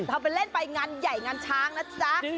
ทำเป็นเล่นไปงานใหญ่งานช้างนะจ๊ะ